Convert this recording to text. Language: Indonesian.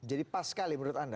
jadi pas sekali menurut anda